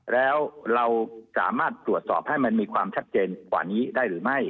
แล้วเราสามารถตรวจสอบให้มันมีความชัดเจนกว่านี้ได้หรือไม่